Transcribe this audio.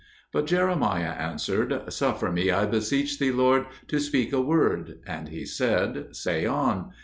But Jeremiah answered, "Suffer me, I beseech thee, Lord, to speak a word." And He said, "Say on."